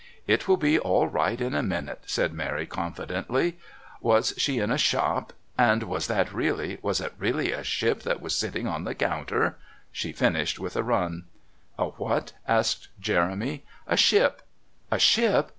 "It will be all right in a minute," said Mary confidently. "'Was she in a shop? And was that really was it really a ship that was sitting on the counter?'" she finished with a run. "A what?" asked Jeremy. "A ship " "A ship!